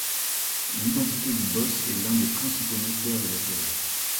L'identité du Boss est l'un des principaux mystères de la série.